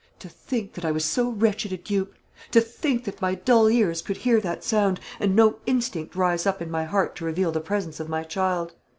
To think that I was so wretched a dupe! to think that my dull ears could hear that sound, and no instinct rise up in my heart to reveal the presence of my child!